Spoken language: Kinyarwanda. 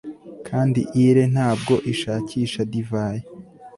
kandi ile ntabwo ishakisha divayi